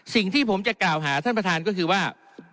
สิ่งที่ผมจะกล่าวหาท่านประธานก็คือว่า